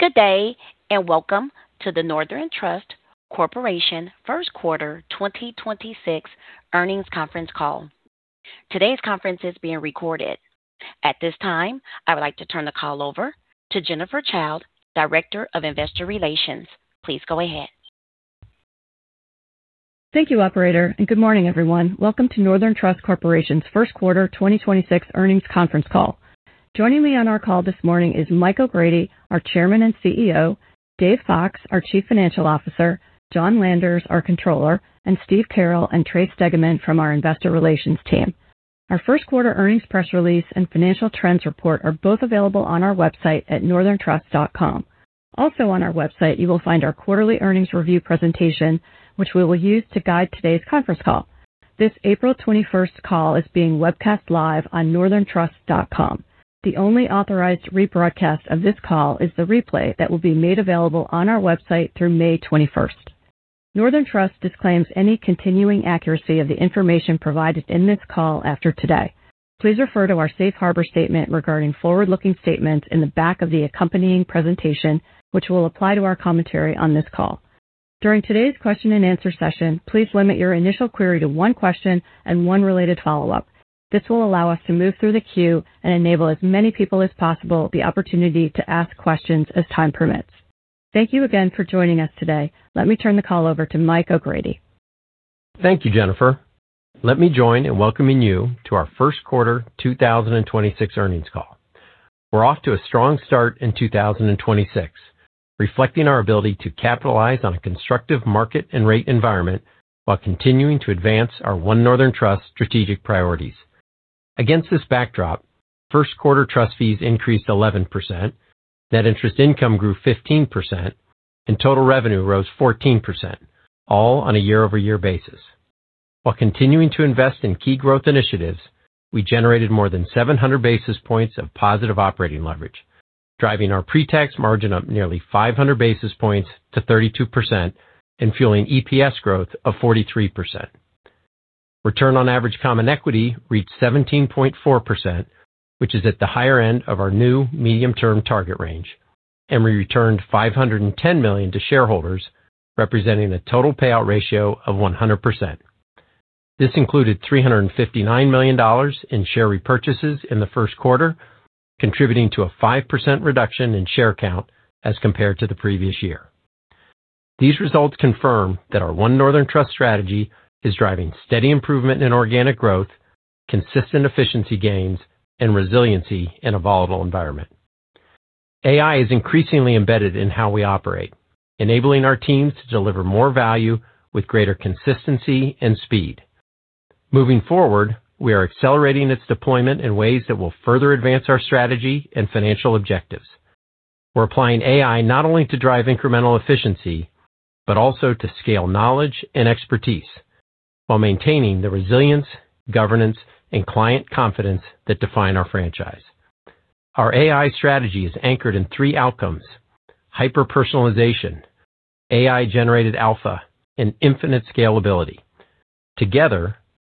Good day, and welcome to the Northern Trust Corporation first quarter 2026 earnings conference call. Today's conference is being recorded. At this time, I would like to turn the call over to Jennifer Childe, Director of Investor Relations. Please go ahead. Thank you, operator, and good morning, everyone. Welcome to Northern Trust Corporation's first quarter 2026 earnings conference call. Joining me on our call this morning is Mike O'Grady, our Chairman and CEO, Dave Fox, our Chief Financial Officer, John Landers, our Controller, and Steve Carroll and Trace Stegeman from our Investor Relations team. Our first quarter earnings press release and financial trends report are both available on our website at northerntrust.com. Also on our website, you will find our quarterly earnings review presentation, which we will use to guide today's conference call. This April 21st call is being webcast live on northerntrust.com. The only authorized rebroadcast of this call is the replay that will be made available on our website through May 21st. Northern Trust disclaims any continuing accuracy of the information provided in this call after today. Please refer to our safe harbor statement regarding forward-looking statements in the back of the accompanying presentation, which will apply to our commentary on this call. During today's question and answer session, please limit your initial query to one question and one related follow-up. This will allow us to move through the queue and enable as many people as possible the opportunity to ask questions as time permits. Thank you again for joining us today. Let me turn the call over to Mike O'Grady. Thank you, Jennifer. Let me join in welcoming you to our first quarter 2026 earnings call. We're off to a strong start in 2026, reflecting our ability to capitalize on a constructive market and rate environment while continuing to advance our One Northern Trust strategic priorities. Against this backdrop, first quarter trust fees increased 11%, net interest income grew 15%, and total revenue rose 14%, all on a year-over-year basis. While continuing to invest in key growth initiatives, we generated more than 700 basis points of positive operating leverage, driving our pre-tax margin up nearly 500 basis points to 32% and fueling EPS growth of 43%. Return on average common equity reached 17.4%, which is at the higher end of our new medium-term target range, and we returned $510 million to shareholders, representing a total payout ratio of 100%. This included $359 million in share repurchases in the first quarter, contributing to a 5% reduction in share count as compared to the previous year. These results confirm that our One Northern Trust strategy is driving steady improvement in organic growth, consistent efficiency gains, and resiliency in a volatile environment. AI is increasingly embedded in how we operate, enabling our teams to deliver more value with greater consistency and speed. Moving forward, we are accelerating its deployment in ways that will further advance our strategy and financial objectives. We're applying AI not only to drive incremental efficiency, but also to scale knowledge and expertise while maintaining the resilience, governance, and client confidence that define our franchise. Our AI strategy is anchored in three outcomes, hyper-personalization, AI-generated alpha, and infinite scalability.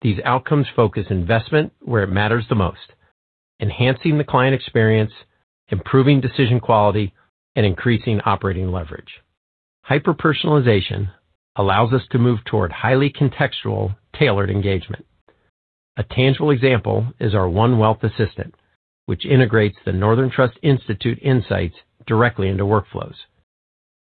These outcomes focus investment where it matters the most, enhancing the client experience, improving decision quality, and increasing operating leverage. Hyper-personalization allows us to move toward highly contextual, tailored engagement. A tangible example is our One Wealth Assistant, which integrates the Northern Trust Institute insights directly into workflows.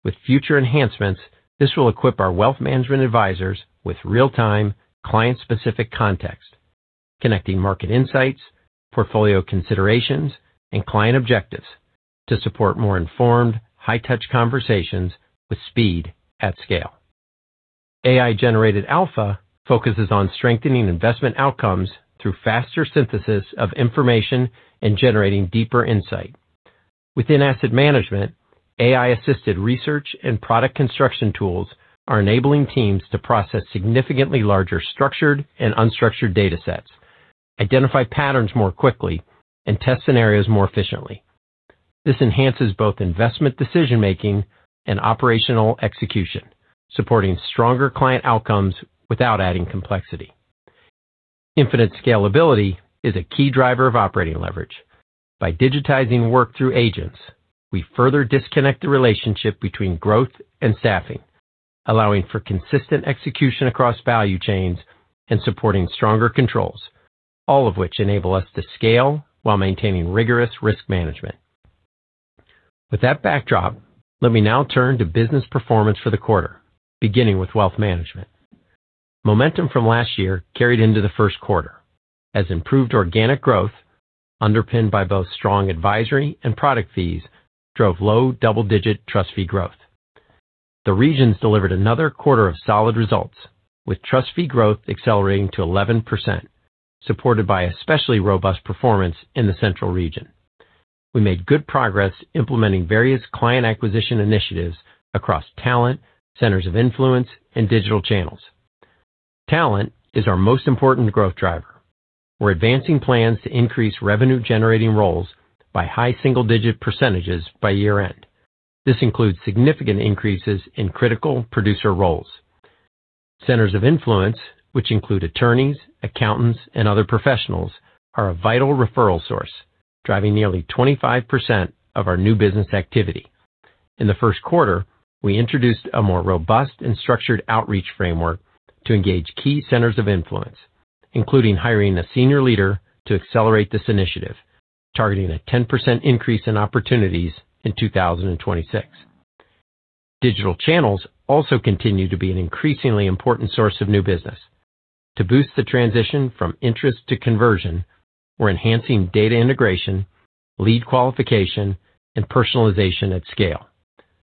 With future enhancements, this will equip our wealth management advisors with real-time, client-specific context, connecting market insights, portfolio considerations, and client objectives to support more informed, high-touch conversations with speed at scale. AI-generated alpha focuses on strengthening investment outcomes through faster synthesis of information and generating deeper insight. Within asset management, AI-assisted research and product construction tools are enabling teams to process significantly larger structured and unstructured datasets, identify patterns more quickly, and test scenarios more efficiently. This enhances both investment decision-making and operational execution, supporting stronger client outcomes without adding complexity. Infinite scalability is a key driver of operating leverage. By digitizing work through agents, we further disconnect the relationship between growth and staffing, allowing for consistent execution across value chains and supporting stronger controls, all of which enable us to scale while maintaining rigorous risk management. With that backdrop, let me now turn to business performance for the quarter, beginning with Wealth Management. Momentum from last year carried into the first quarter as improved organic growth, underpinned by both strong advisory and product fees, drove low double-digit trust fee growth. The regions delivered another quarter of solid results, with trust fee growth accelerating to 11%, supported by especially robust performance in the Central Region. We made good progress implementing various client acquisition initiatives across talent, centers of influence, and digital channels. Talent is our most important growth driver. We're advancing plans to increase revenue-generating roles by high single-digit percentages by year-end. This includes significant increases in critical producer roles. Centers of influence, which include attorneys, accountants, and other professionals, are a vital referral source, driving nearly 25% of our new business activity. In the first quarter, we introduced a more robust and structured outreach framework to engage key centers of influence, including hiring a senior leader to accelerate this initiative, targeting a 10% increase in opportunities in 2026. Digital channels also continue to be an increasingly important source of new business. To boost the transition from interest to conversion, we're enhancing data integration, lead qualification, and personalization at scale.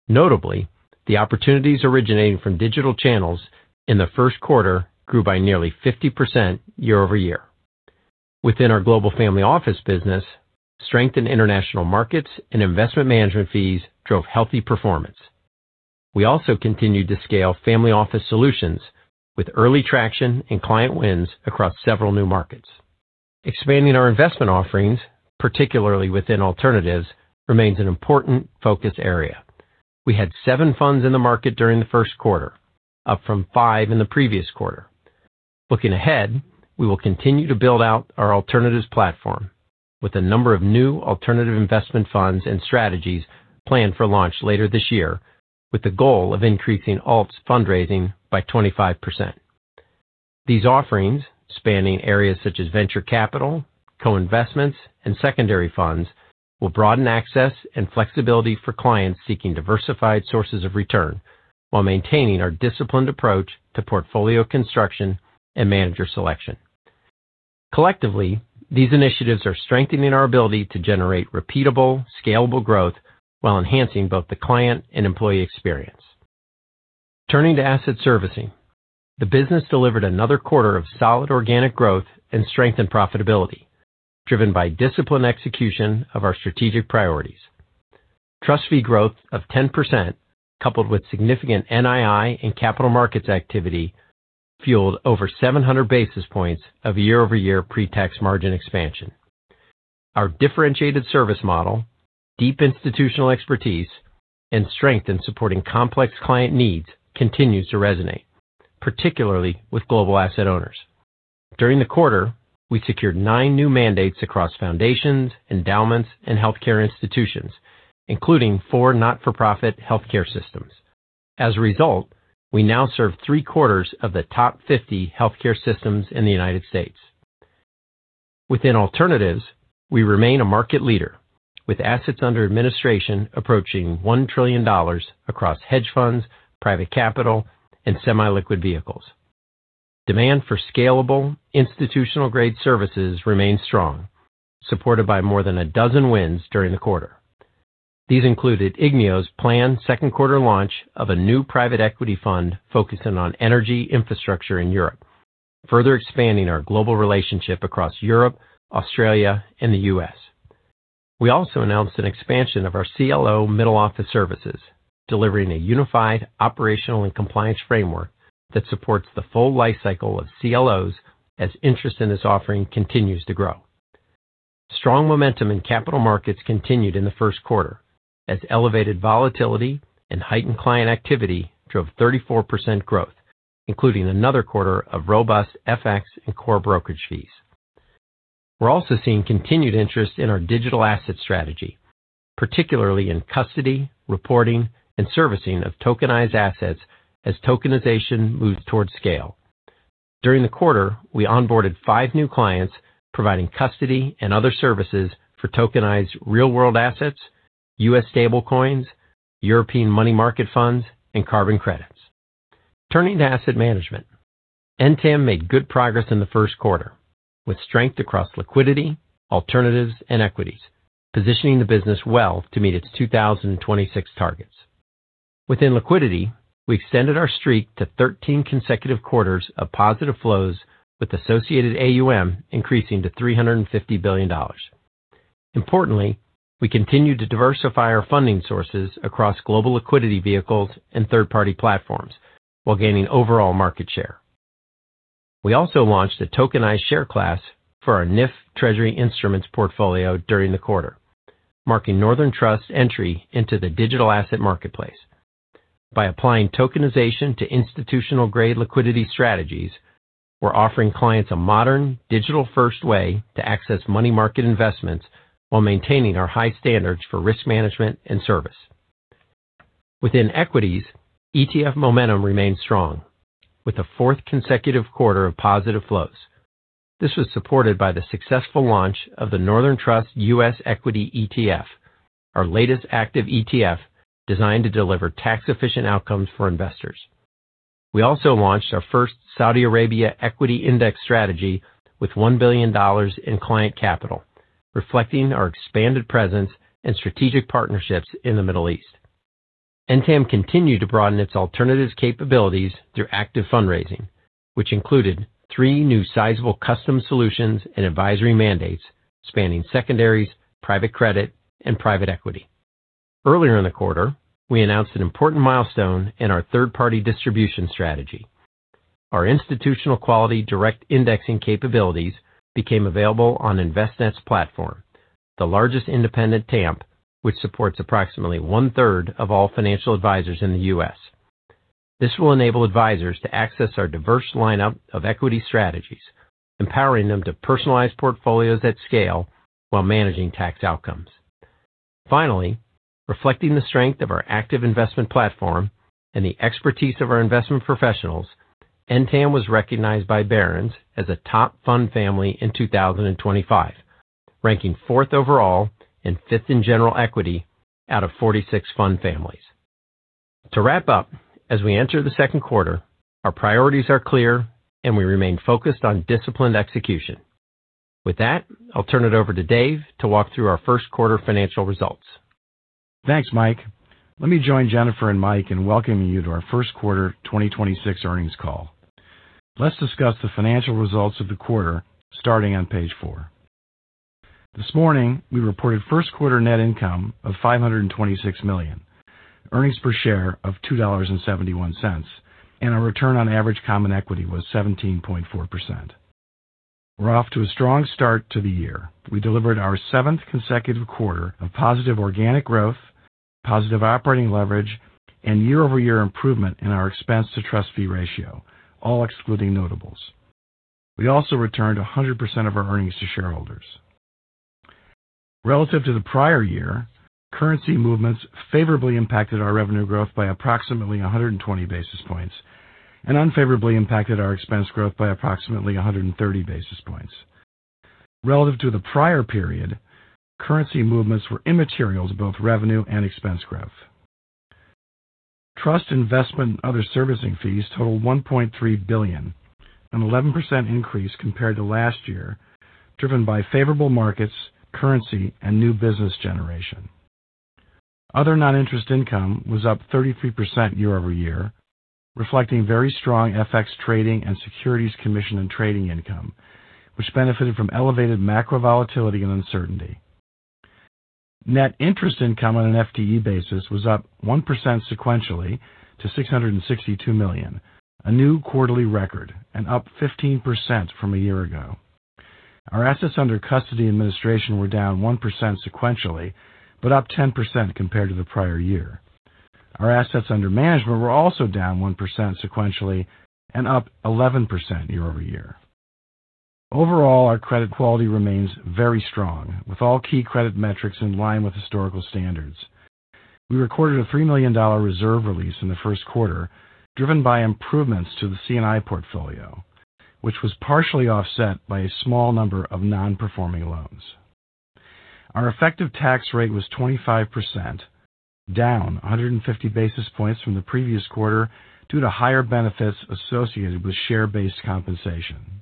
Notably, the opportunities originating from digital channels in the first quarter grew by nearly 50% year-over-year. Within our Global Family Office business, strength in international markets and investment management fees drove healthy performance. We also continued to scale family office solutions with early traction and client wins across several new markets. Expanding our investment offerings, particularly within alternatives, remains an important focus area. We had seven funds in the market during the first quarter, up from five in the previous quarter. Looking ahead, we will continue to build out our alternatives platform with a number of new alternative investment funds and strategies planned for launch later this year, with the goal of increasing alts fundraising by 25%. These offerings, spanning areas such as venture capital, co-investments, and secondary funds, will broaden access and flexibility for clients seeking diversified sources of return while maintaining our disciplined approach to portfolio construction and manager selection. Collectively, these initiatives are strengthening our ability to generate repeatable, scalable growth while enhancing both the client and employee experience. Turning to asset servicing. The business delivered another quarter of solid organic growth and strengthened profitability, driven by disciplined execution of our strategic priorities. Trust fee growth of 10%, coupled with significant NII and capital markets activity, fueled over 700 basis points of year-over-year pre-tax margin expansion. Our differentiated service model, deep institutional expertise, and strength in supporting complex client needs continues to resonate, particularly with global asset owners. During the quarter, we secured nine new mandates across foundations, endowments, and healthcare institutions, including four not-for-profit healthcare systems. As a result, we now serve three-quarters of the top 50 healthcare systems in the United States. Within alternatives, we remain a market leader, with assets under administration approaching $1 trillion across hedge funds, private capital, and semi-liquid vehicles. Demand for scalable institutional-grade services remains strong, supported by more than a dozen wins during the quarter. These included Igneo's planned second quarter launch of a new private equity fund focusing on energy infrastructure in Europe, further expanding our global relationship across Europe, Australia, and the U.S. We also announced an expansion of our CLO middle office services, delivering a unified operational and compliance framework that supports the full life cycle of CLOs as interest in this offering continues to grow. Strong momentum in capital markets continued in the first quarter as elevated volatility and heightened client activity drove 34% growth, including another quarter of robust FX and core brokerage fees. We're also seeing continued interest in our digital asset strategy, particularly in custody, reporting, and servicing of tokenized assets as tokenization moves towards scale. During the quarter, we onboarded five new clients providing custody and other services for tokenized real-world assets, U.S. stablecoins, European money market funds, and carbon credits. Turning to asset management. NTAM made good progress in the first quarter, with strength across liquidity, alternatives, and equities, positioning the business well to meet its 2026 targets. Within liquidity, we extended our streak to 13 consecutive quarters of positive flows with associated AUM increasing to $350 billion. Importantly, we continued to diversify our funding sources across global liquidity vehicles and third-party platforms while gaining overall market share. We also launched a tokenized share class for our NIF Treasury Instruments Portfolio during the quarter, marking Northern Trust's entry into the digital asset marketplace. By applying tokenization to institutional-grade liquidity strategies, we're offering clients a modern, digital-first way to access money market investments while maintaining our high standards for risk management and service. Within equities, ETF momentum remains strong with a fourth consecutive quarter of positive flows. This was supported by the successful launch of the Northern Trust U.S. Equity ETF, our latest active ETF designed to deliver tax-efficient outcomes for investors. We also launched our first Saudi Arabia equity index strategy with $1 billion in client capital, reflecting our expanded presence and strategic partnerships in the Middle East. NTAM continued to broaden its alternatives capabilities through active fundraising, which included three new sizable custom solutions and advisory mandates spanning secondaries, private credit, and private equity. Earlier in the quarter, we announced an important milestone in our third-party distribution strategy. Our institutional-quality direct indexing capabilities became available on Envestnet's platform. The largest independent TAMP, which supports approximately one-third of all financial advisors in the U.S. This will enable advisors to access our diverse lineup of equity strategies, empowering them to personalize portfolios at scale while managing tax outcomes. Finally, reflecting the strength of our active investment platform and the expertise of our investment professionals, NTAM was recognized by Barron's as a top fund family in 2025, ranking fourth overall and fifth in general equity out of 46 fund families. To wrap up, as we enter the second quarter, our priorities are clear, and we remain focused on disciplined execution. With that, I'll turn it over to Dave to walk through our first quarter financial results. Thanks, Mike. Let me join Jennifer and Mike in welcoming you to our first quarter 2026 earnings call. Let's discuss the financial results of the quarter starting on page 4. This morning, we reported first quarter net income of $526 million, earnings per share of $2.71, and our return on average common equity was 17.4%. We're off to a strong start to the year. We delivered our 7th consecutive quarter of positive organic growth, positive operating leverage, and year-over-year improvement in our expense to trust fee ratio, all excluding notables. We also returned 100% of our earnings to shareholders. Relative to the prior year, currency movements favorably impacted our revenue growth by approximately 120 basis points and unfavorably impacted our expense growth by approximately 130 basis points. Relative to the prior period, currency movements were immaterial to both revenue and expense growth. Trust investment and other servicing fees totaled $1.3 billion, an 11% increase compared to last year, driven by favorable markets, currency, and new business generation. Other non-interest income was up 33% year-over-year, reflecting very strong FX trading and securities commission and trading income, which benefited from elevated macro volatility and uncertainty. Net interest income on an FTE basis was up 1% sequentially to $662 million, a new quarterly record and up 15% from a year ago. Our assets under custody administration were down 1% sequentially, but up 10% compared to the prior year. Our assets under management were also down 1% sequentially and up 11% year-over-year. Overall, our credit quality remains very strong with all key credit metrics in line with historical standards. We recorded a $3 million reserve release in the first quarter, driven by improvements to the C&I portfolio, which was partially offset by a small number of non-performing loans. Our effective tax rate was 25%, down 150 basis points from the previous quarter due to higher benefits associated with share-based compensation.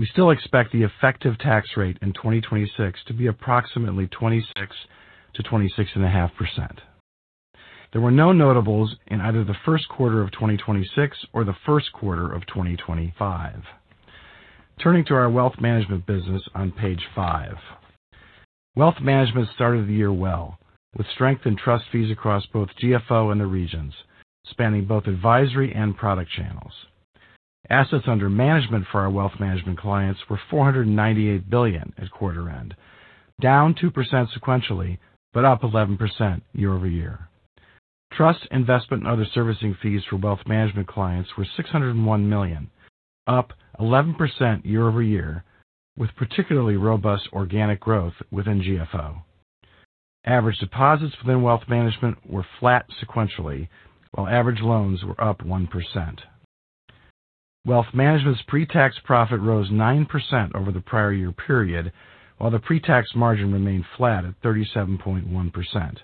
We still expect the effective tax rate in 2026 to be approximately 26%-26.5%. There were no notables in either the first quarter of 2026 or the first quarter of 2025. Turning to our wealth management business on page 5. Wealth management started the year well, with strength in trust fees across both GFO and the regions, spanning both advisory and product channels. Assets under management for our Wealth Management clients were $498 billion at quarter end, down 2% sequentially, but up 11% year-over-year. Trust, investment, and other servicing fees for Wealth Management clients were $601 million, up 11% year-over-year, with particularly robust organic growth within GFO. Average deposits within Wealth Management were flat sequentially, while average loans were up 1%. Wealth Management's pre-tax profit rose 9% over the prior year period, while the pre-tax margin remained flat at 37.1%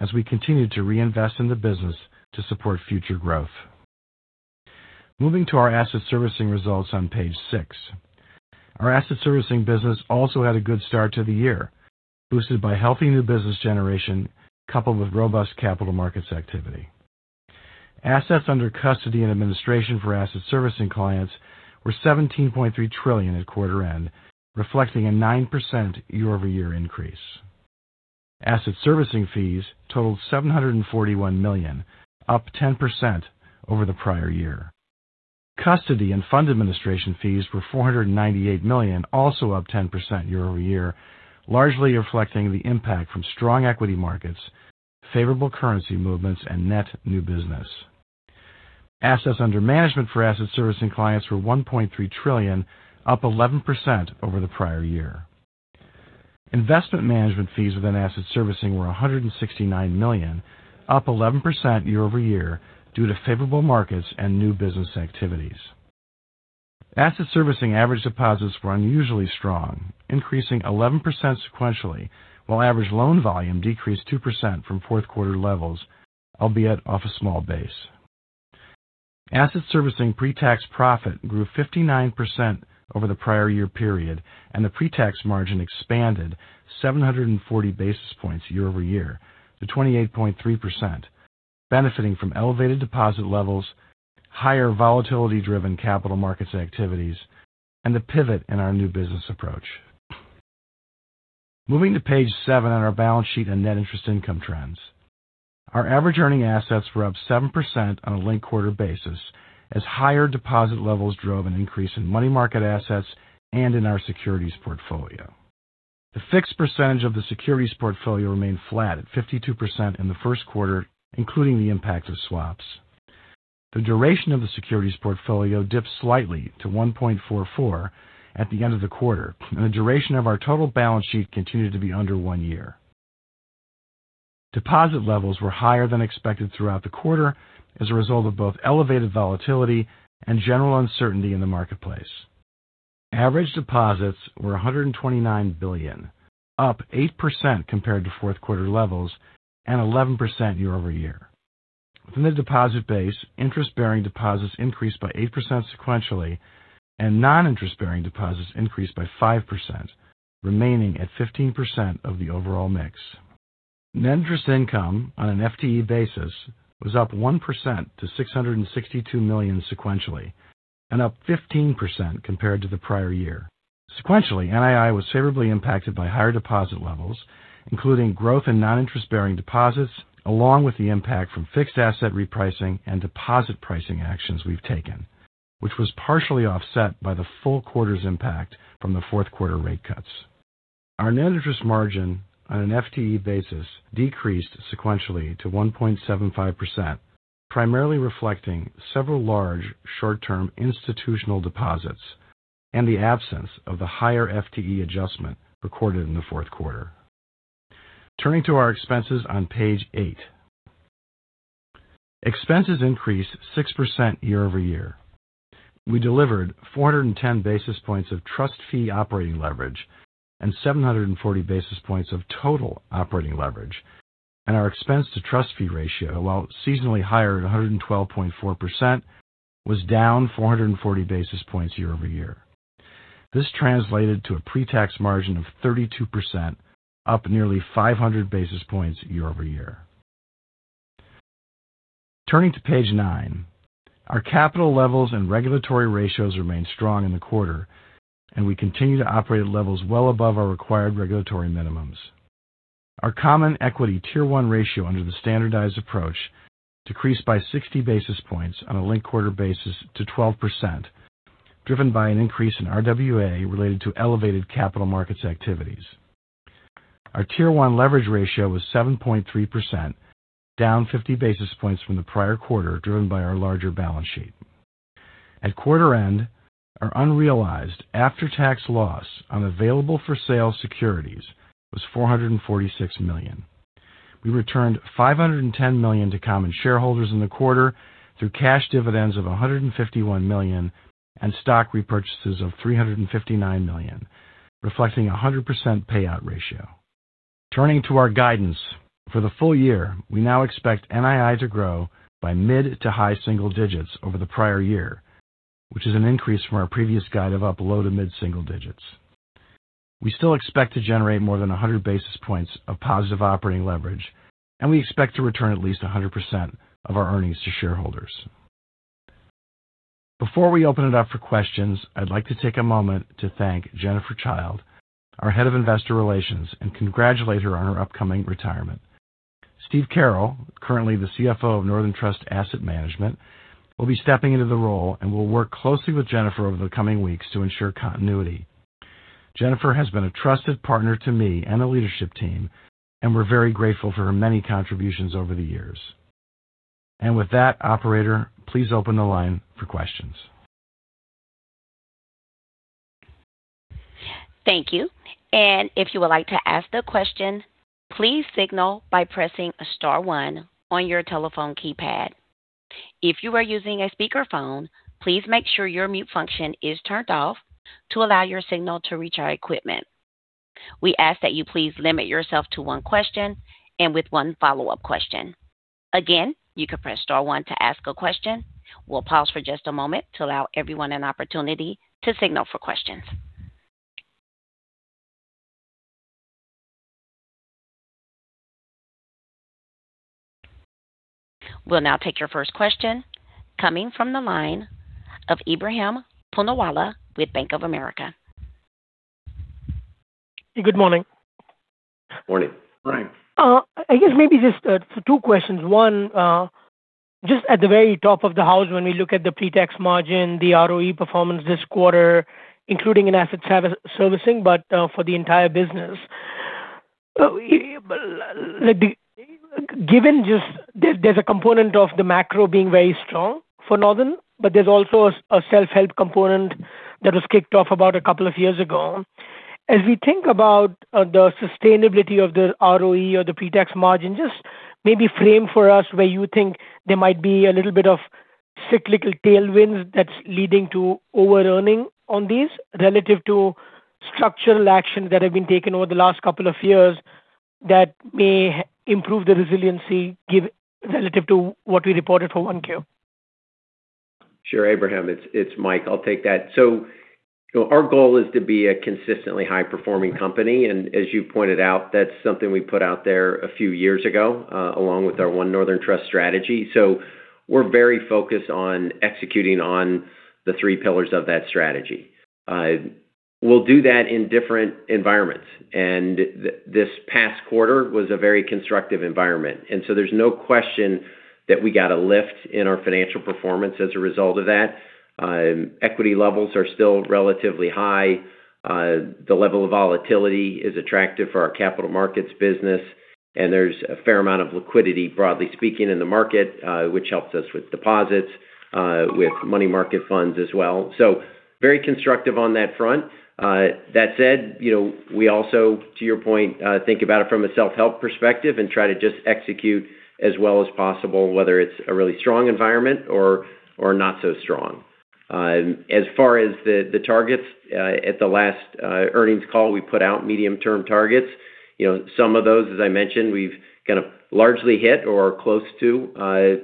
as we continued to reinvest in the business to support future growth. Moving to our Asset Servicing results on page 6. Our Asset Servicing business also had a good start to the year, boosted by healthy new business generation coupled with robust capital markets activity. Assets under custody and administration for asset servicing clients were $17.3 trillion at quarter end, reflecting a 9% year-over-year increase. Asset servicing fees totaled $741 million, up 10% over the prior year. Custody and fund administration fees were $498 million, also up 10% year-over-year, largely reflecting the impact from strong equity markets, favorable currency movements, and net new business. Assets under management for asset servicing clients were $1.3 trillion, up 11% over the prior year. Investment management fees within asset servicing were $169 million, up 11% year-over-year due to favorable markets and new business activities. Asset servicing average deposits were unusually strong, increasing 11% sequentially, while average loan volume decreased 2% from fourth quarter levels, albeit off a small base. Asset servicing pre-tax profit grew 59% over the prior year period, and the pre-tax margin expanded 740 basis points year-over-year to 28.3%, benefiting from elevated deposit levels, higher volatility-driven capital markets activities, and the pivot in our new business approach. Moving to page 7 on our balance sheet and net interest income trends. Our average earning assets were up 7% on a linked-quarter basis as higher deposit levels drove an increase in money market assets and in our securities portfolio. The fixed percentage of the securities portfolio remained flat at 52% in the first quarter, including the impact of swaps. The duration of the securities portfolio dipped slightly to 1.44% at the end of the quarter, and the duration of our total balance sheet continued to be under one year. Deposit levels were higher than expected throughout the quarter as a result of both elevated volatility and general uncertainty in the marketplace. Average deposits were $129 billion, up 8% compared to fourth quarter levels and 11% year-over-year. Within the deposit base, interest-bearing deposits increased by 8% sequentially, and non-interest-bearing deposits increased by 5%, remaining at 15% of the overall mix. Net interest income on an FTE basis was up 1% to $662 million sequentially, and up 15% compared to the prior year. Sequentially, NII was favorably impacted by higher deposit levels, including growth in non-interest-bearing deposits, along with the impact from fixed asset repricing and deposit pricing actions we've taken, which was partially offset by the full quarter's impact from the fourth quarter rate cuts. Our net interest margin on an FTE basis decreased sequentially to 1.75%, primarily reflecting several large short-term institutional deposits and the absence of the higher FTE adjustment recorded in the fourth quarter. Turning to our expenses on page 8. Expenses increased 6% year-over-year. We delivered 410 basis points of trust fee operating leverage and 740 basis points of total operating leverage, and our expense to trust fee ratio, while seasonally higher at 112.4%, was down 440 basis points year-over-year. This translated to a pre-tax margin of 32%, up nearly 500 basis points year-over-year. Turning to page 9. Our capital levels and regulatory ratios remained strong in the quarter, and we continue to operate at levels well above our required regulatory minimums. Our Common Equity Tier 1 ratio under the standardized approach decreased by 60 basis points on a linked-quarter basis to 12%, driven by an increase in RWA related to elevated capital markets activities. Our Tier 1 leverage ratio was 7.3%, down 50 basis points from the prior quarter, driven by our larger balance sheet. At quarter end, our unrealized after-tax loss on available-for-sale securities was $446 million. We returned $510 million to common shareholders in the quarter through cash dividends of $151 million and stock repurchases of $359 million, reflecting 100% payout ratio. Turning to our guidance. For the full year, we now expect NII to grow by mid to high single digits over the prior year, which is an increase from our previous guide of low to mid single digits. We still expect to generate more than 100 basis points of positive operating leverage, and we expect to return at least 100% of our earnings to shareholders. Before we open it up for questions, I'd like to take a moment to thank Jennifer Childe, our Head of Investor Relations, and congratulate her on her upcoming retirement. Steve Carroll, currently the CFO of Northern Trust Asset Management, will be stepping into the role and will work closely with Jennifer over the coming weeks to ensure continuity. Jennifer has been a trusted partner to me and the leadership team, and we're very grateful for her many contributions over the years. With that, operator, please open the line for questions. Thank you. If you would like to ask the question, please signal by pressing star one on your telephone keypad. If you are using a speakerphone, please make sure your mute function is turned off to allow your signal to reach our equipment. We ask that you please limit yourself to one question and with one follow-up question. Again, you can press star one to ask a question. We'll pause for just a moment to allow everyone an opportunity to signal for questions. We'll now take your first question coming from the line of Ebrahim Poonawala with Bank of America. Good morning. Morning. Morning. I guess maybe just two questions. One, just at the very top of the house, when we look at the pre-tax margin, the ROE performance this quarter, including in asset servicing, but for the entire business. There's a component of the macro being very strong for Northern, but there's also a self-help component that was kicked off about a couple of years ago. As we think about the sustainability of the ROE or the pre-tax margin, just maybe frame for us where you think there might be a little bit of cyclical tailwinds that's leading to over-earning on these relative to structural actions that have been taken over the last couple of years that may improve the resiliency relative to what we reported for 1Q. Sure, Ebrahim. It's Mike. I'll take that. Our goal is to be a consistently high-performing company. And as you pointed out, that's something we put out there a few years ago along with our One Northern Trust strategy. We're very focused on executing on the three pillars of that strategy. We'll do that in different environments. This past quarter was a very constructive environment. There's no question that we got a lift in our financial performance as a result of that. Equity levels are still relatively high. The level of volatility is attractive for our capital markets business, and there's a fair amount of liquidity, broadly speaking, in the market, which helps us with deposits, with money market funds as well. Very constructive on that front. That said, we also, to your point, think about it from a self-help perspective and try to just execute as well as possible, whether it's a really strong environment or not so strong. As far as the targets, at the last earnings call, we put out medium-term targets. Some of those, as I mentioned, we've kind of largely hit or are close to.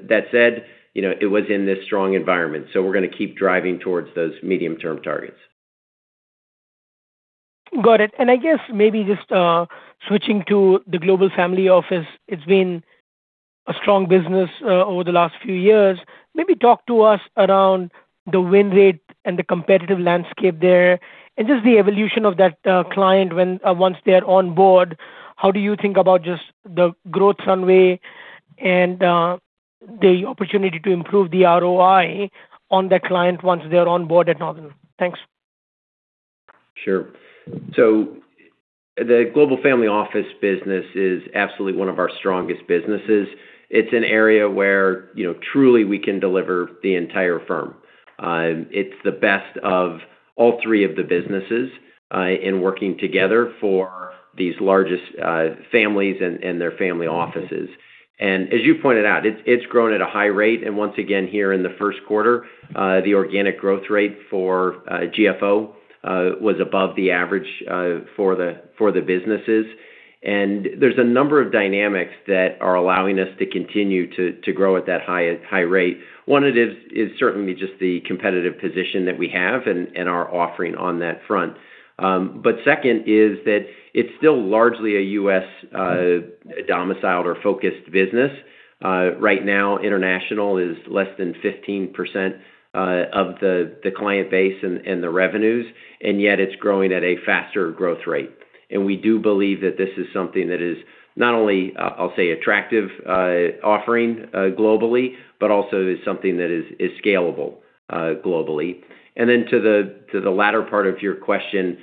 That said, it was in this strong environment, so we're going to keep driving towards those medium-term targets. Got it. I guess maybe just switching to the Global Family Office, it's been a strong business over the last few years. Maybe talk to us around the win rate and the competitive landscape there and just the evolution of that client once they're on board. How do you think about just the growth runway and the opportunity to improve the ROI on that client once they're on board at Northern? Thanks. Sure. The global family office business is absolutely one of our strongest businesses. It's an area where truly we can deliver the entire firm. It's the best of all three of the businesses in working together for these largest families and their family offices. As you pointed out, it's grown at a high rate. Once again, here in the first quarter, the organic growth rate for GFO was above the average for the businesses. There's a number of dynamics that are allowing us to continue to grow at that high rate. One is certainly just the competitive position that we have and our offering on that front. Second is that it's still largely a U.S.-domiciled or focused business. Right now, international is less than 15% of the client base and the revenues, and yet it's growing at a faster growth rate. We do believe that this is something that is not only, I'll say, attractive offering globally, but also is something that is scalable globally. Then to the latter part of your question,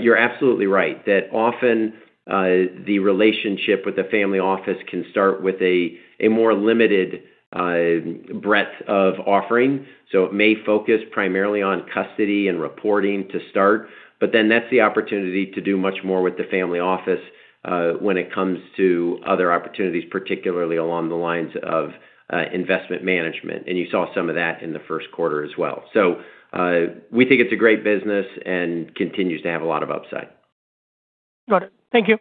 you're absolutely right that often, the relationship with the family office can start with a more limited breadth of offering. It may focus primarily on custody and reporting to start, but then that's the opportunity to do much more with the family office, when it comes to other opportunities, particularly along the lines of investment management. You saw some of that in the first quarter as well. We think it's a great business and continues to have a lot of upside. Got it. Thank you.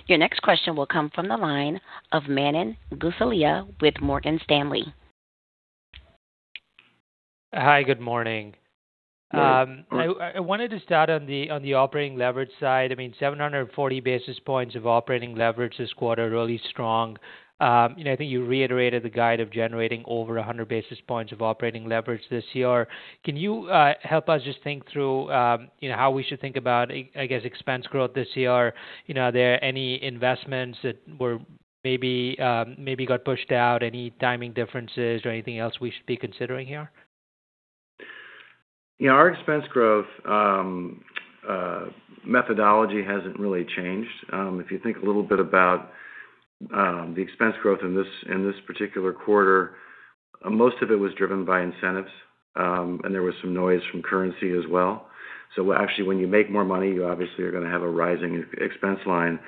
Sure. Your next question will come from the line of Manan Gosalia with Morgan Stanley. Hi. Good morning. Good morning. I wanted to start on the operating leverage side. I mean, 740 basis points of operating leverage this quarter, really strong. I think you reiterated the guide of generating over 100 basis points of operating leverage this year. Can you help us just think through how we should think about, I guess, expense growth this year? Are there any investments that maybe got pushed out, any timing differences, or anything else we should be considering here? Yeah, our expense growth methodology hasn't really changed. If you think a little bit about the expense growth in this particular quarter, most of it was driven by incentives, and there was some noise from currency as well. So actually, when you make more money, you obviously are going to have a rising expense line.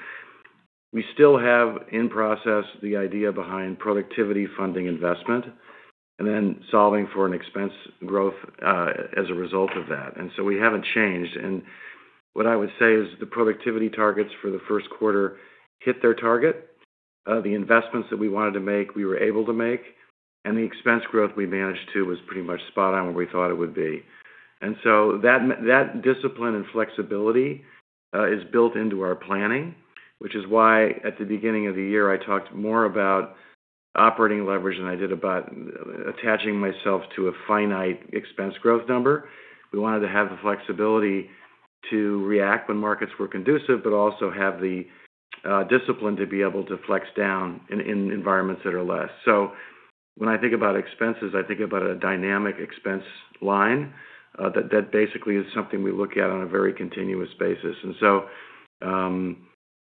We still have in process the idea behind productivity funding investment, and then solving for an expense growth as a result of that. We haven't changed. What I would say is the productivity targets for the first quarter hit their target. The investments that we wanted to make, we were able to make, and the expense growth we managed too was pretty much spot on where we thought it would be. That discipline and flexibility is built into our planning, which is why, at the beginning of the year, I talked more about operating leverage than I did about attaching myself to a finite expense growth number. We wanted to have the flexibility to react when markets were conducive, but also have the discipline to be able to flex down in environments that are less. When I think about expenses, I think about a dynamic expense line. That basically is something we look at on a very continuous basis.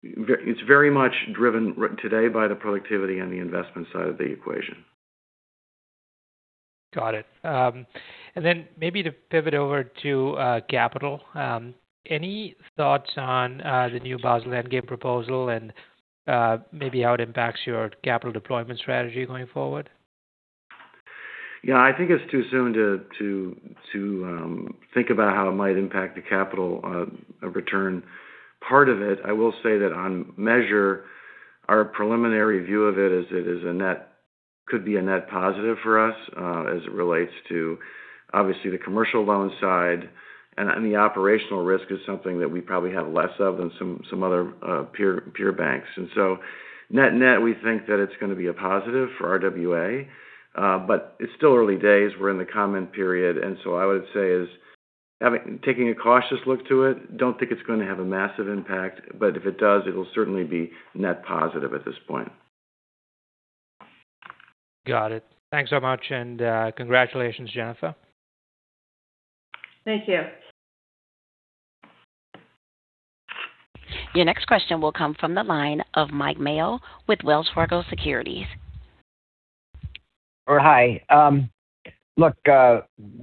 It's very much driven today by the productivity and the investment side of the equation. Got it. Maybe to pivot over to capital. Any thoughts on the new Basel endgame proposal and maybe how it impacts your capital deployment strategy going forward? Yeah, I think it's too soon to think about how it might impact the capital return part of it. I will say that on balance, our preliminary view of it is it could be a net positive for us, as it relates to, obviously, the commercial loan side. The operational risk is something that we probably have less of than some other peer banks. net-net, we think that it's going to be a positive for RWA. It's still early days. We're in the comment period. I would say we're taking a cautious look at it. Don't think it's going to have a massive impact, but if it does, it'll certainly be net positive at this point. Got it. Thanks so much, and congratulations, Jennifer. Thank you. Your next question will come from the line of Mike Mayo with Wells Fargo Securities. Hi. Look,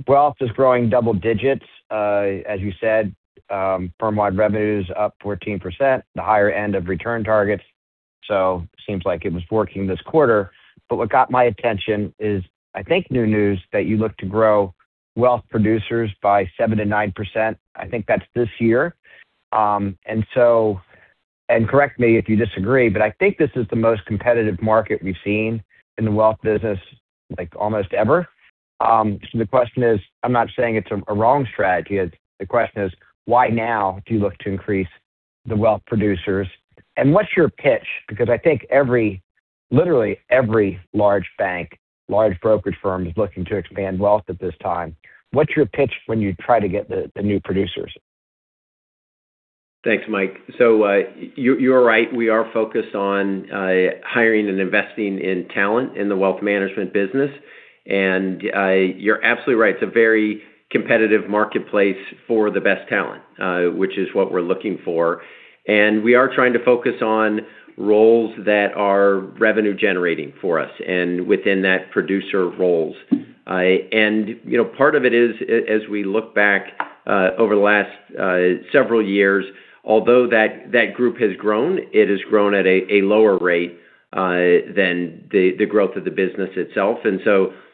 wealth is growing double digits, as you said. Firm-wide revenue's up 14%, the higher end of return targets. Seems like it was working this quarter. What got my attention is, I think, new news that you look to grow wealth producers by 7%-9%. I think that's this year. Correct me if you disagree, but I think this is the most competitive market we've seen in the wealth business, like, almost ever. The question is, I'm not saying it's a wrong strategy. The question is, why now do you look to increase the wealth producers? What's your pitch? Because I think every, literally every large bank, large brokerage firm is looking to expand wealth at this time. What's your pitch when you try to get the new producers? Thanks, Mike. You're right. We are focused on hiring and investing in talent in the wealth management business. You're absolutely right. It's a very competitive marketplace for the best talent, which is what we're looking for. We are trying to focus on roles that are revenue-generating for us and within that producer roles. Part of it is, as we look back over the last several years, although that group has grown, it has grown at a lower rate than the growth of the business itself.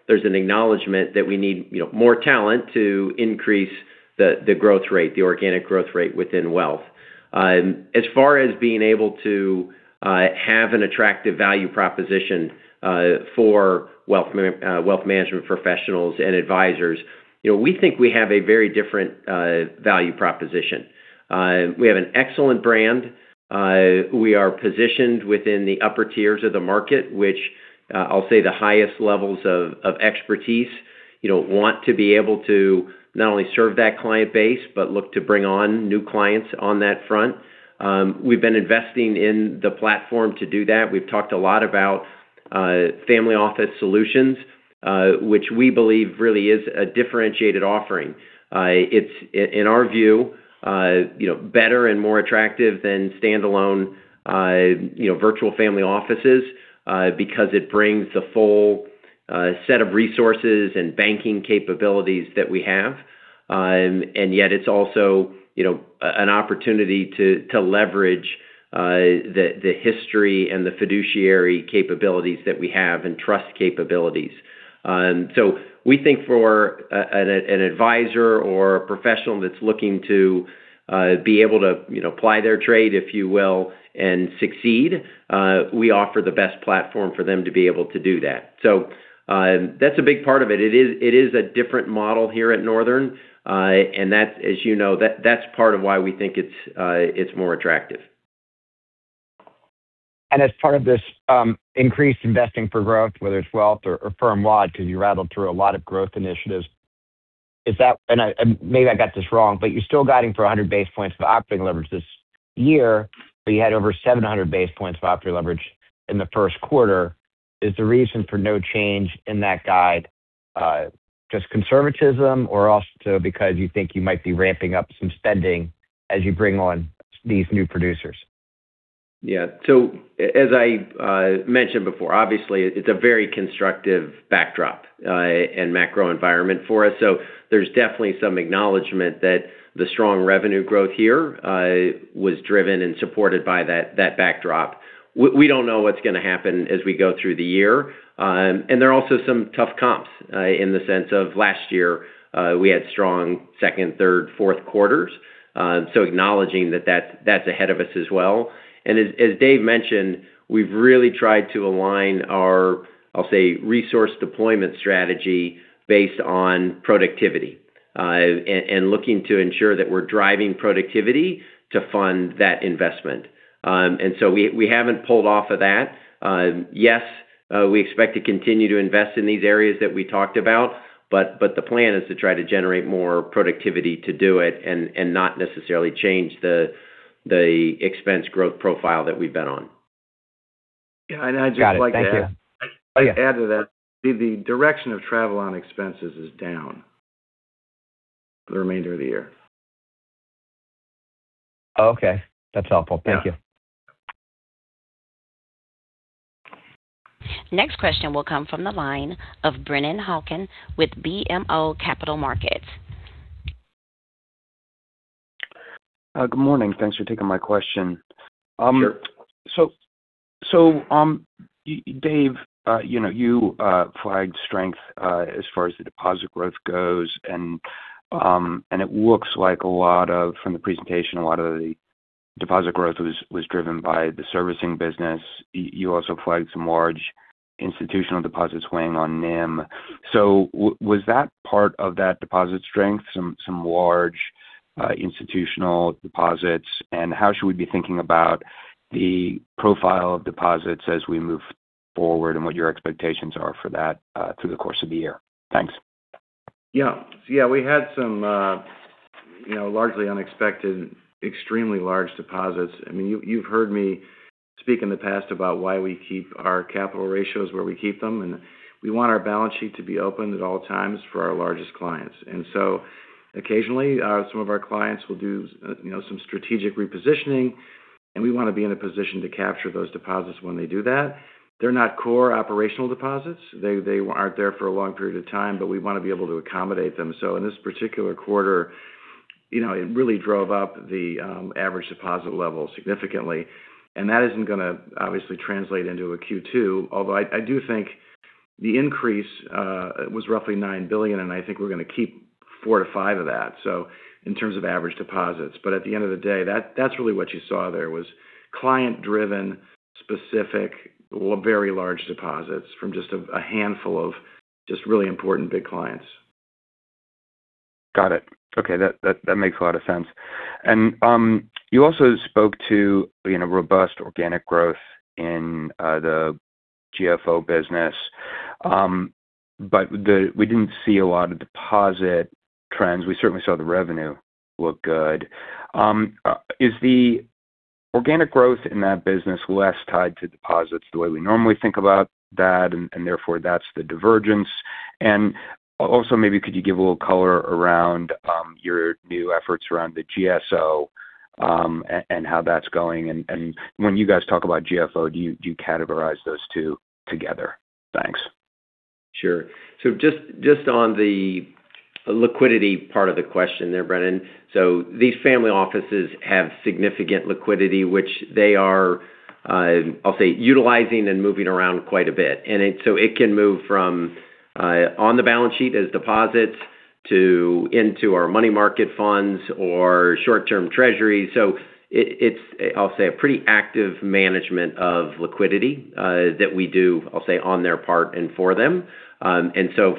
There's an acknowledgment that we need more talent to increase the growth rate, the organic growth rate within wealth. As far as being able to have an attractive value proposition for wealth management professionals and advisors, we think we have a very different value proposition. We have an excellent brand. We are positioned within the upper tiers of the market, which I'll say the highest levels of expertise want to be able to not only serve that client base but look to bring on new clients on that front. We've been investing in the platform to do that. We've talked a lot about family office solutions, which we believe really is a differentiated offering. It's, in our view, better and more attractive than standalone virtual family offices because it brings the full set of resources and banking capabilities that we have. Yet it's also an opportunity to leverage the history and the fiduciary capabilities that we have and trust capabilities. We think for an advisor or a professional that's looking to be able to ply their trade, if you will, and succeed, we offer the best platform for them to be able to do that. That's a big part of it. It is a different model here at Northern, and as you know, that's part of why we think it's more attractive. As part of this increased investing for growth, whether it's wealth or firm-wide, because you rattled through a lot of growth initiatives. Maybe I got this wrong, but you're still guiding for 100 basis points of operating leverage this year, but you had over 700 basis points of operating leverage in the first quarter. Is the reason for no change in that guide just conservatism or also because you think you might be ramping up some spending as you bring on these new producers? Yeah. As I mentioned before, obviously it's a very constructive backdrop and macro environment for us. There's definitely some acknowledgment that the strong revenue growth here was driven and supported by that backdrop. We don't know what's going to happen as we go through the year. There are also some tough comps in the sense of last year we had strong second, third, fourth quarters. Acknowledging that that's ahead of us as well. As Dave mentioned, we've really tried to align our, I'll say, resource deployment strategy based on productivity and looking to ensure that we're driving productivity to fund that investment. We haven't pulled off of that. Yes, we expect to continue to invest in these areas that we talked about, but the plan is to try to generate more productivity to do it and not necessarily change the expense growth profile that we've been on. Got it. Thank you. I'd just like to add to that. The direction of travel on expenses is down for the remainder of the year. Okay. That's helpful. Thank you. Next question will come from the line of Brennan Hawken with BMO Capital Markets. Good morning. Thanks for taking my question. Sure. Dave, you flagged strength as far as the deposit growth goes, and it looks like from the presentation, a lot of the deposit growth was driven by the servicing business. You also flagged some large institutional deposits weighing on NIM. Was that part of that deposit strength, some large institutional deposits, and how should we be thinking about the profile of deposits as we move forward and what your expectations are for that through the course of the year? Thanks. Yeah. We had some largely unexpected, extremely large deposits. You've heard me speak in the past about why we keep our capital ratios where we keep them, and we want our balance sheet to be open at all times for our largest clients. Occasionally, some of our clients will do some strategic repositioning, and we want to be in a position to capture those deposits when they do that. They're not core operational deposits. They aren't there for a long period of time, but we want to be able to accommodate them. In this particular quarter, it really drove up the average deposit level significantly. That isn't going to obviously translate into a Q2, although I do think the increase was roughly $9 billion, and I think we're going to keep $4 billion-$5 billion of that. In terms of average deposits. At the end of the day, that's really what you saw there was client-driven, specific, very large deposits from just a handful of just really important big clients. Got it. Okay. That makes a lot of sense. You also spoke to robust organic growth in the GFO business. We didn't see a lot of deposit trends. We certainly saw the revenue look good. Is the organic growth in that business less tied to deposits the way we normally think about that, and therefore that's the divergence? Also, maybe could you give a little color around your new efforts around the GSO, and how that's going? When you guys talk about GFO, do you categorize those two together? Thanks. Sure. Just on the liquidity part of the question there, Brennan. These family offices have significant liquidity, which they are, I'll say, utilizing and moving around quite a bit. It can move from on the balance sheet as deposits into our money market funds or short-term Treasury. It's, I'll say, a pretty active management of liquidity that we do, I'll say, on their part and for them.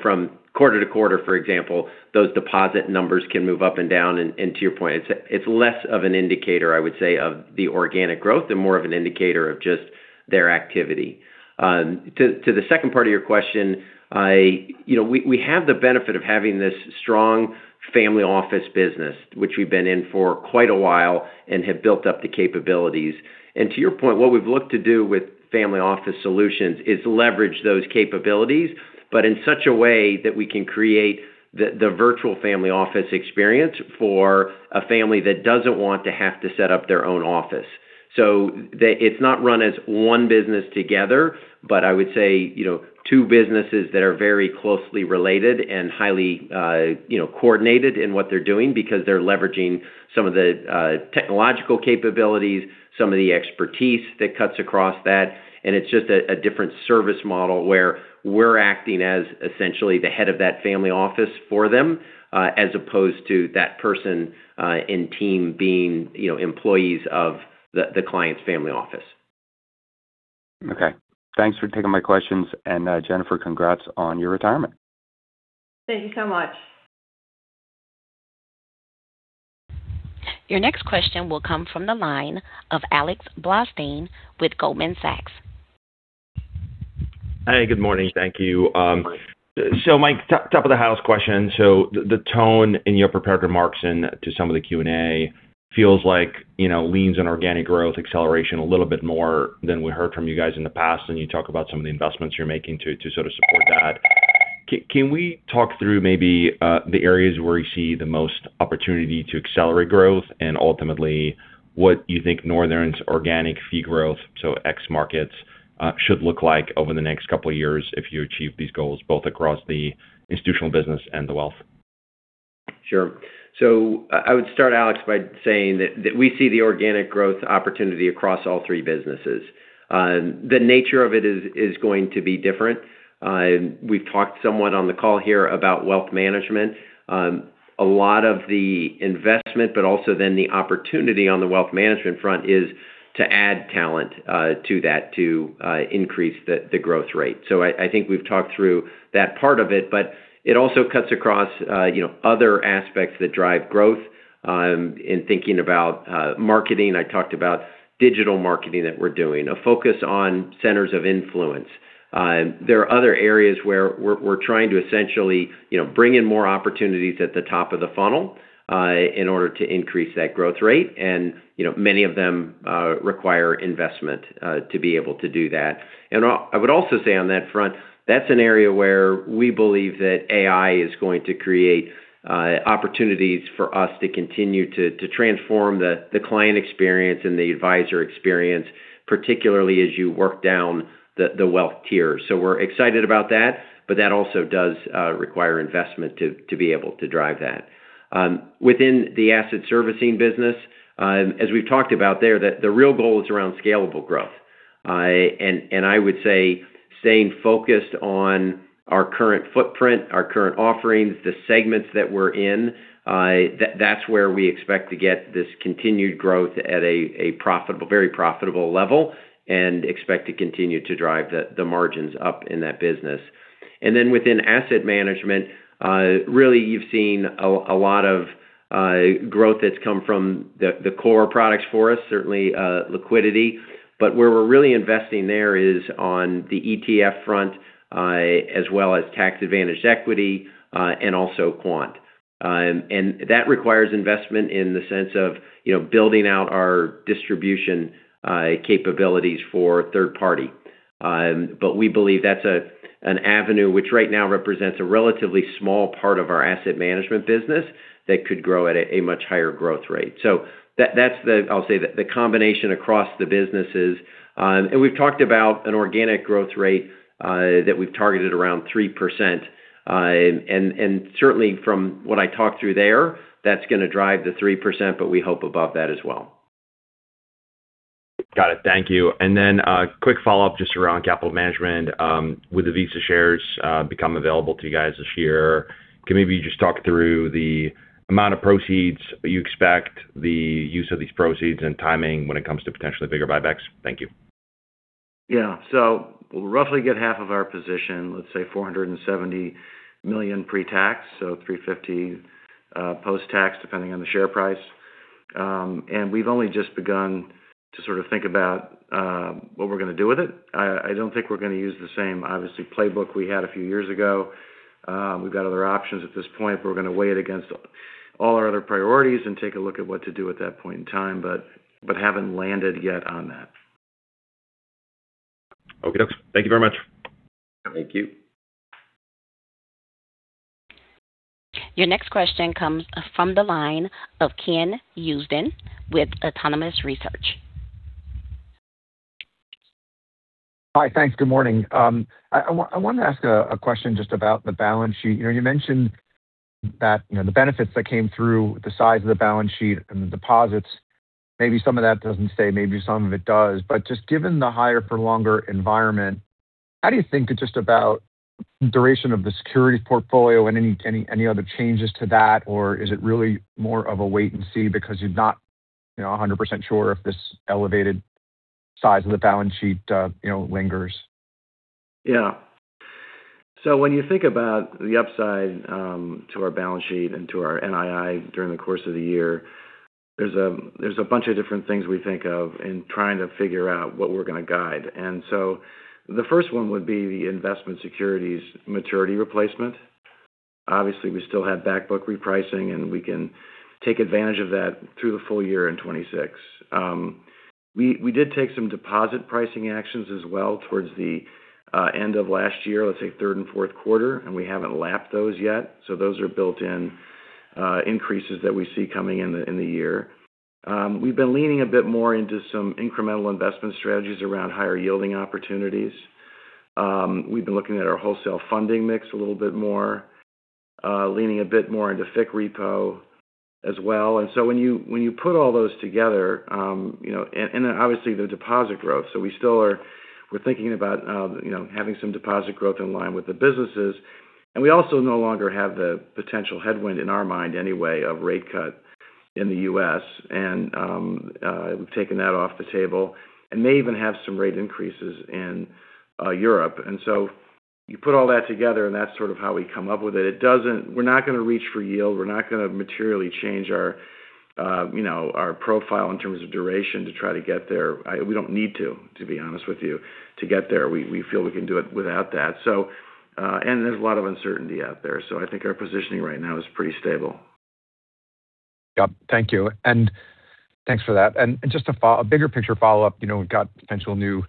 From quarter to quarter, for example, those deposit numbers can move up and down. To your point, it's less of an indicator, I would say, of the organic growth and more of an indicator of just their activity. To the second part of your question. We have the benefit of having this strong Family Office business, which we've been in for quite a while and have built up the capabilities. To your point, what we've looked to do with Global Family Office is leverage those capabilities, but in such a way that we can create the virtual family office experience for a family that doesn't want to have to set up their own office. It's not run as one business together, but I would say two businesses that are very closely related and highly coordinated in what they're doing because they're leveraging some of the technological capabilities, some of the expertise that cuts across that, and it's just a different service model where we're acting as essentially the head of that family office for them, as opposed to that person and team being employees of the client's family office. Okay. Thanks for taking my questions. Jennifer, congrats on your retirement. Thank you so much. Your next question will come from the line of Alex Blostein with Goldman Sachs. Hi. Good morning. Thank you. Mike, top of the house question. The tone in your prepared remarks and to some of the Q&A feels like leans on organic growth acceleration a little bit more than we heard from you guys in the past. You talk about some of the investments you're making to sort of support that. Can we talk through maybe the areas where you see the most opportunity to accelerate growth and ultimately what you think Northern's organic fee growth, so ex markets, should look like over the next couple of years if you achieve these goals, both across the institutional business and the wealth? Sure. I would start, Alex, by saying that we see the organic growth opportunity across all three businesses. The nature of it is going to be different. We've talked somewhat on the call here about Wealth Management. A lot of the investment, but also then the opportunity on the Wealth Management front is to add talent to that to increase the growth rate. I think we've talked through that part of it, but it also cuts across other aspects that drive growth. In thinking about marketing, I talked about digital marketing that we're doing. A focus on centers of influence. There are other areas where we're trying to essentially bring in more opportunities at the top of the funnel in order to increase that growth rate. Many of them require investment to be able to do that. I would also say on that front, that's an area where we believe that AI is going to create opportunities for us to continue to transform the client experience and the advisor experience, particularly as you work down the wealth tier. We're excited about that, but that also does require investment to be able to drive that. Within the asset servicing business, as we've talked about there, the real goal is around scalable growth. I would say staying focused on our current footprint, our current offerings, the segments that we're in, that's where we expect to get this continued growth at a very profitable level and expect to continue to drive the margins up in that business. Within asset management, really you've seen a lot of growth that's come from the core products for us, certainly liquidity. Where we're really investing is on the ETF front, as well as tax-advantaged equity, and also quant. That requires investment in the sense of building out our distribution capabilities for third party. We believe that's an avenue which right now represents a relatively small part of our asset management business that could grow at a much higher growth rate. That's, I'll say, the combination across the businesses. We've talked about an organic growth rate that we've targeted around 3%, and certainly from what I talked through there, that's going to drive the 3%, but we hope above that as well. Got it. Thank you. A quick follow-up just around capital management. With the Visa shares become available to you guys this year, can maybe you just talk through the amount of proceeds you expect, the use of these proceeds, and timing when it comes to potentially bigger buybacks? Thank you. Yeah. We'll roughly get half of our position, let's say $470 million pre-tax, so $350 million post-tax, depending on the share price. We've only just begun to sort of think about what we're going to do with it. I don't think we're going to use the same, obviously, playbook we had a few years ago. We've got other options at this point. We're going to weigh it against all our other priorities and take a look at what to do at that point in time, but haven't landed yet on that. Okay. Thank you very much. Thank you. Your next question comes from the line of Ken Usdin with Autonomous Research. Hi, thanks. Good morning. I wanted to ask a question just about the balance sheet. You mentioned that the benefits that came through, the size of the balance sheet and the deposits, maybe some of that doesn't stay, maybe some of it does. Just given the higher-for-longer environment, how do you think just about duration of the securities portfolio and any other changes to that? Or is it really more of a wait and see because you're not 100% sure if this elevated size of the balance sheet lingers? Yeah. When you think about the upside to our balance sheet and to our NII during the course of the year, there's a bunch of different things we think of in trying to figure out what we're going to guide. The first one would be the investment securities maturity replacement. Obviously, we still have back book repricing, and we can take advantage of that through the full year in 2026. We did take some deposit pricing actions as well towards the end of last year, let's say third and fourth quarter, and we haven't lapped those yet. Those are built-in increases that we see coming in the year. We've been leaning a bit more into some incremental investment strategies around higher yielding opportunities. We've been looking at our wholesale funding mix a little bit more, leaning a bit more into FICC repo as well. When you put all those together, and then obviously the deposit growth. We still are thinking about having some deposit growth in line with the businesses. We also no longer have the potential headwind, in our mind anyway, of rate cut in the U.S., and we've taken that off the table. May even have some rate increases in Europe. You put all that together, and that's sort of how we come up with it. We're not going to reach for yield. We're not going to materially change our profile in terms of duration to try to get there. We don't need to be honest with you, to get there. We feel we can do it without that. There's a lot of uncertainty out there. I think our positioning right now is pretty stable. Yep. Thank you. Thanks for that. Just a bigger picture follow-up. We've got potential new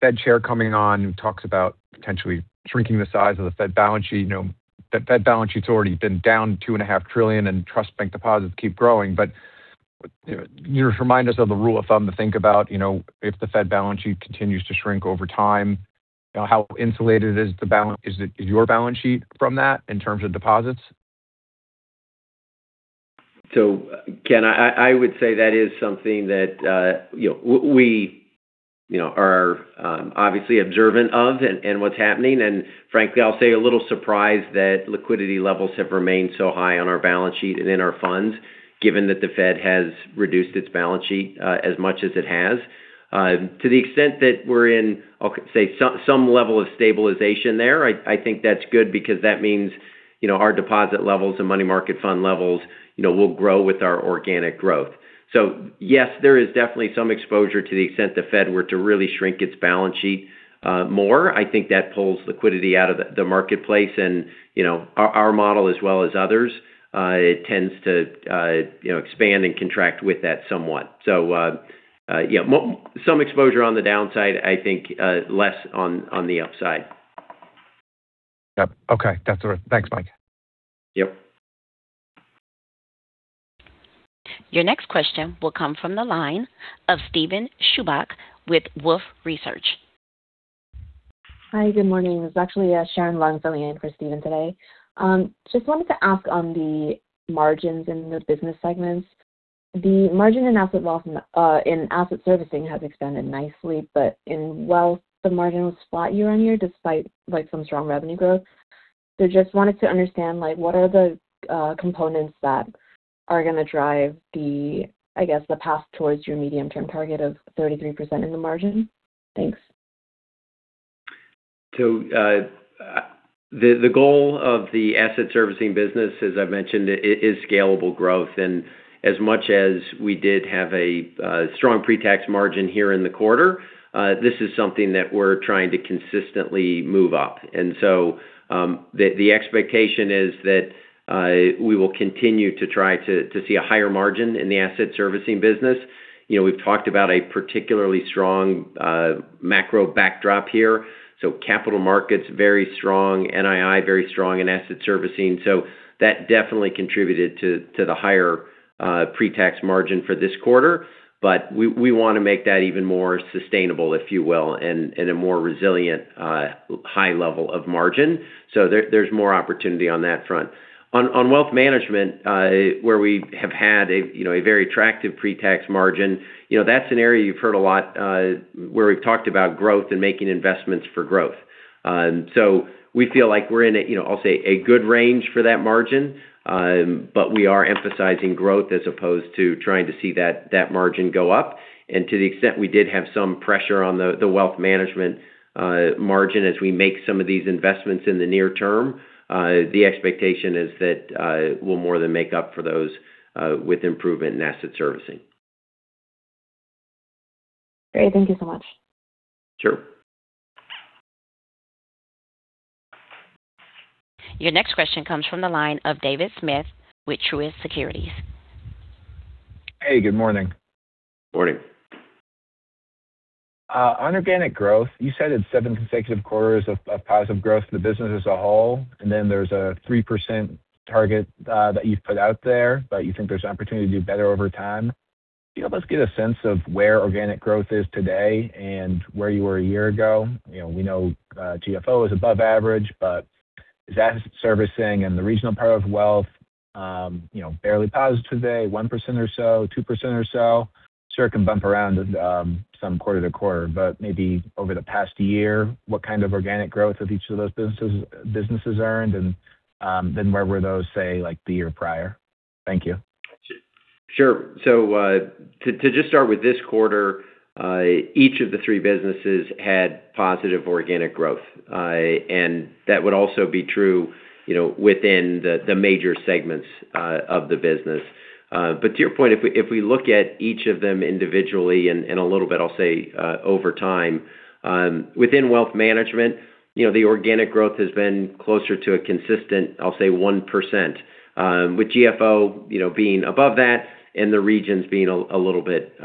Fed chair coming on who talks about potentially shrinking the size of the Fed balance sheet. That Fed balance sheet's already been down $2.5 trillion and Northern Trust bank deposits keep growing. Can you just remind us of the rule of thumb to think about if the Fed balance sheet continues to shrink over time, how insulated is your balance sheet from that in terms of deposits? Ken, I would say that is something that we are obviously observant of and what's happening. Frankly, I'll say a little surprised that liquidity levels have remained so high on our balance sheet and in our funds, given that the Fed has reduced its balance sheet as much as it has. To the extent that we're in, say, some level of stabilization there, I think that's good because that means our deposit levels and money market fund levels will grow with our organic growth. Yes, there is definitely some exposure to the extent the Fed were to really shrink its balance sheet more. I think that pulls liquidity out of the marketplace and our model as well as others, it tends to expand and contract with that somewhat. Yeah, some exposure on the downside, I think less on the upside. Yep. Okay. That's all. Thanks, Mike. Yep. Your next question will come from the line of Steven Chubak with Wolfe Research. Hi. Good morning. It's actually Sharon Wong filling in for Steven Chubak today. Just wanted to ask on the margins in the business segments. The margin in asset servicing has expanded nicely. In wealth, the margin was flat year-on-year, despite some strong revenue growth. Just wanted to understand, what are the components that are going to drive, I guess, the path towards your medium-term target of 33% in the margin? Thanks. The goal of the Asset Servicing business, as I've mentioned, is scalable growth. As much as we did have a strong pre-tax margin here in the quarter, this is something that we're trying to consistently move up. The expectation is that we will continue to try to see a higher margin in the Asset Servicing business. We've talked about a particularly strong macro backdrop here. Capital markets very strong, NII very strong in Asset Servicing. That definitely contributed to the higher pre-tax margin for this quarter. We want to make that even more sustainable, if you will, and a more resilient high level of margin. There's more opportunity on that front. On Wealth Management, where we have had a very attractive pre-tax margin, that's an area you've heard a lot where we've talked about growth and making investments for growth. We feel like we're in a, I'll say a good range for that margin, but we are emphasizing growth as opposed to trying to see that margin go up. To the extent we did have some pressure on the wealth management margin as we make some of these investments in the near term, the expectation is that we'll more than make up for those with improvement in asset servicing. Great. Thank you so much. Sure. Your next question comes from the line of David Smith with Truist Securities. Hey, good morning. Morning. On organic growth, you said it's seven consecutive quarters of positive growth for the business as a whole, and then there's a 3% target that you've put out there, but you think there's an opportunity to do better over time. Can you help us get a sense of where organic growth is today and where you were a year ago? We know GFO is above average, but is asset servicing and the regional part of wealth barely positive today, 1% or so, 2% or so? I'm sure it can bump around some quarter to quarter, but maybe over the past year, what kind of organic growth have each of those businesses earned? Where were those, say, like the year prior? Thank you. Sure. To just start with this quarter, each of the three businesses had positive organic growth. That would also be true within the major segments of the business. To your point, if we look at each of them individually and a little bit, I'll say, over time. Within Wealth Management, the organic growth has been closer to a consistent, I'll say 1%, with GFO being above that and the regions being a little bit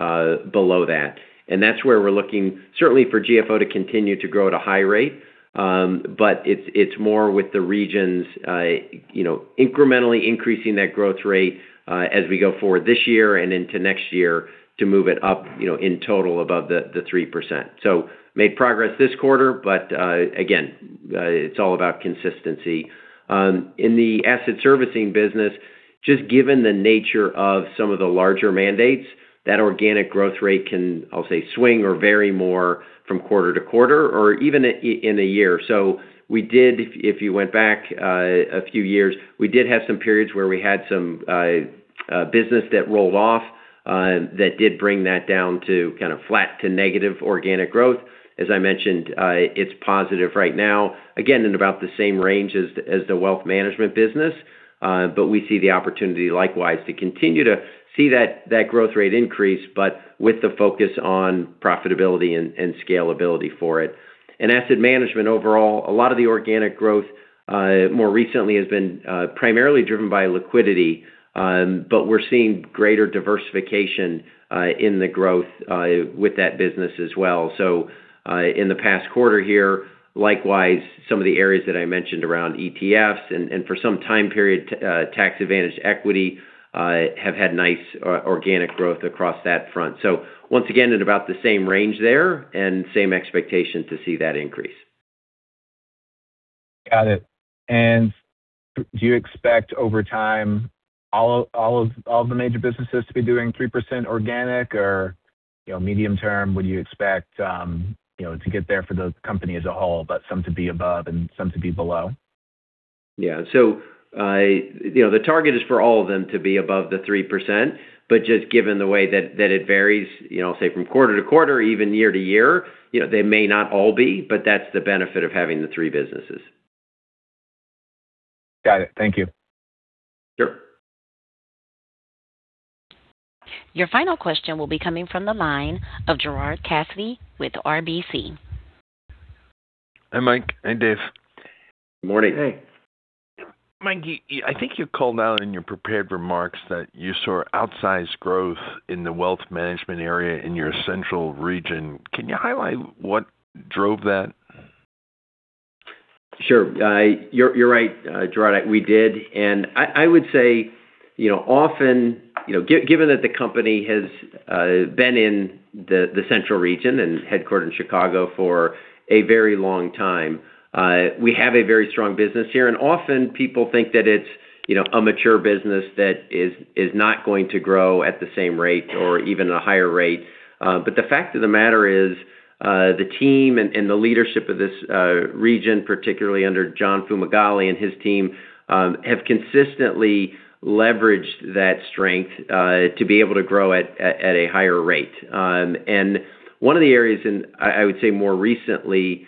below that. That's where we're looking certainly for GFO to continue to grow at a high rate. It's more with the regions incrementally increasing that growth rate as we go forward this year and into next year to move it up, in total above the 3%. Made progress this quarter, but again, it's all about consistency. In the Asset Servicing business, just given the nature of some of the larger mandates, that organic growth rate can, I'll say, swing or vary more from quarter to quarter or even in a year. We did, if you went back a few years, we did have some periods where we had some business that rolled off that did bring that down to kind of flat to negative organic growth. As I mentioned, it's positive right now, again in about the same range as the Wealth Management business. We see the opportunity likewise to continue to see that growth rate increase, but with the focus on profitability and scalability for it. In Asset Management overall, a lot of the organic growth more recently has been primarily driven by liquidity, but we're seeing greater diversification in the growth with that business as well. In the past quarter here, likewise, some of the areas that I mentioned around ETFs and for some time period, tax advantage equity have had nice organic growth across that front. Once again, at about the same range there and same expectation to see that increase. Got it. Do you expect over time all of the major businesses to be doing 3% organic? Or medium term, would you expect to get there for the company as a whole, but some to be above and some to be below? Yeah. The target is for all of them to be above the 3%, but just given the way that it varies I'll say from quarter to quarter, even year to year, they may not all be, but that's the benefit of having the three businesses. Got it. Thank you. Sure. Your final question will be coming from the line of Gerard Cassidy with RBC. Hi, Mike. Hi, Dave. Morning. Hey. Mike, I think you called out in your prepared remarks that you saw outsized growth in the wealth management area in your central region. Can you highlight what drove that? Sure. You're right, Gerard. We did. I would say, often, given that the company has been in the central region and headquartered in Chicago for a very long time, we have a very strong business here. Often people think that it's a mature business that is not going to grow at the same rate or even a higher rate. The fact of the matter is, the team and the leadership of this region, particularly under John Fumagalli and his team, have consistently leveraged that strength to be able to grow at a higher rate. One of the areas I would say more recently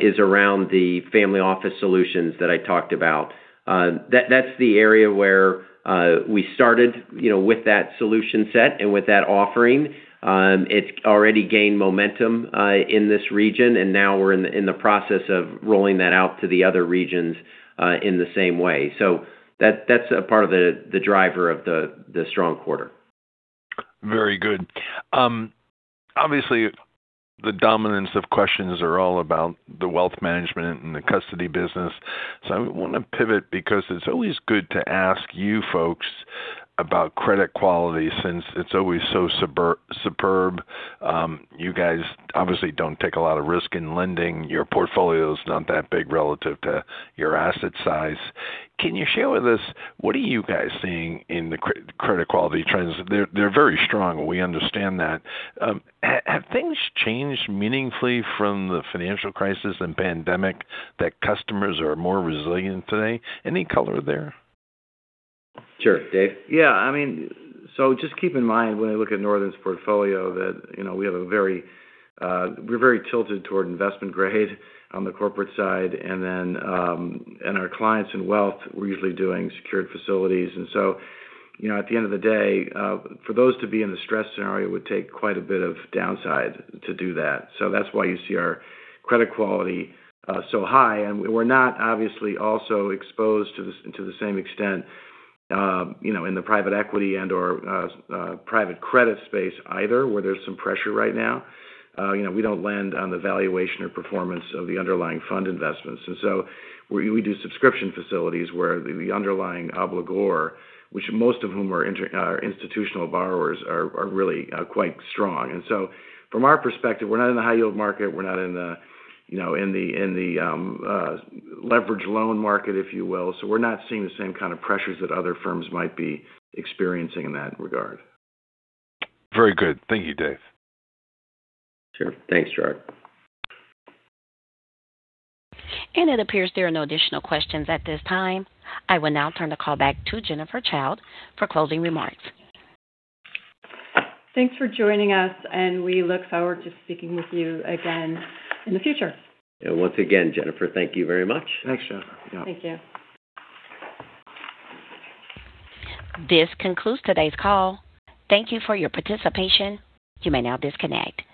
is around the family office solutions that I talked about. That's the area where we started with that solution set and with that offering. It's already gained momentum in this region, and now we're in the process of rolling that out to the other regions in the same way. That's a part of the driver of the strong quarter. Very good. Obviously, the dominance of questions are all about the wealth management and the custody business. I want to pivot because it's always good to ask you folks about credit quality, since it's always so superb. You guys obviously don't take a lot of risk in lending. Your portfolio is not that big relative to your asset size. Can you share with us what are you guys seeing in the credit quality trends? They're very strong, we understand that. Have things changed meaningfully from the financial crisis and pandemic that customers are more resilient today? Any color there? Sure. Dave? Yeah. Just keep in mind when we look at Northern's portfolio that we're very tilted toward investment grade on the corporate side. Our clients in wealth, we're usually doing secured facilities. At the end of the day, for those to be in the stress scenario, it would take quite a bit of downside to do that. That's why you see our credit quality so high, and we're not obviously also exposed to the same extent in the private equity and/or private credit space either, where there's some pressure right now. We don't lend on the valuation or performance of the underlying fund investments. We do subscription facilities where the underlying obligor, which most of whom are institutional borrowers, are really quite strong. From our perspective, we're not in the high yield market. We're not in the leveraged loan market, if you will. We're not seeing the same kind of pressures that other firms might be experiencing in that regard. Very good. Thank you, Dave. Sure. Thanks, Gerard. It appears there are no additional questions at this time. I will now turn the call back to Jennifer Childe for closing remarks. Thanks for joining us, and we look forward to speaking with you again in the future. Once again, Jennifer, thank you very much. Thanks, Jen. Thank you. This concludes today's call. Thank you for your participation. You may now disconnect.